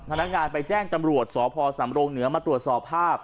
พนักงานไปแจ้งตำรวจสพสำรงเหนือมาตรวจสอบภาพ